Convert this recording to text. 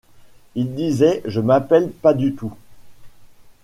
Il disait: Je m’appelle Pas-du-tout.